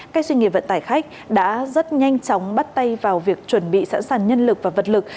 các doanh nghiệp vận tải khách đã rất nhanh chóng bắt tay vào việc chuẩn bị sẵn sàng nhân lực và vật lực